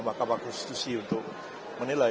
mahkamah konstitusi untuk menilai